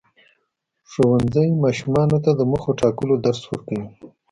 ښوونځی ماشومانو ته د موخو ټاکلو درس ورکوي.